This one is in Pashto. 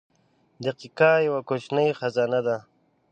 • دقیقه یوه کوچنۍ خزانه ده.